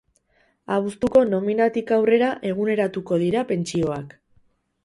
Abuztuko nominatik aurrera eguneratuko dira pentsioak.